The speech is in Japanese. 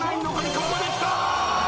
ここできた！